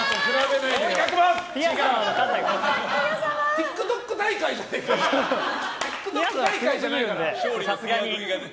ＴｉｋＴｏｋ大会じゃないから。